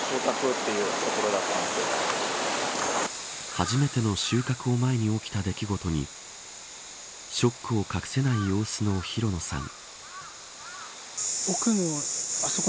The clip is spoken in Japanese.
初めての収穫を前に起きた出来事にショックを隠せない様子の広野さん。